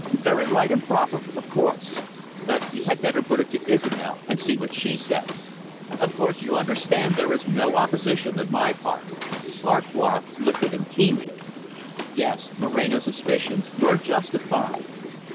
"Very right and proper, of course. But you had better put it to Isobel, and see what she says. Of course, you understand there is no opposition on my part." Farquhar looked at him keenly. Yes, Moreno's suspicions were justified.